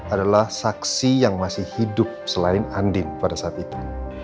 adalah saksi yang masih hidup selain andin pada saat itu